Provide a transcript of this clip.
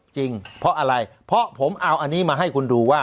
จริงเพราะอะไรเพราะผมเอาอันนี้มาให้คุณดูว่า